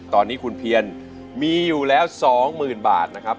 ตอนนี้คุณเพียนมีอยู่แล้ว๒๐๐๐บาทนะครับ